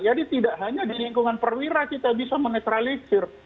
jadi tidak hanya di lingkungan perwira kita bisa menetralisir